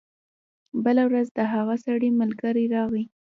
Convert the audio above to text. بله ورځ د هغه سړي ملګری راغی.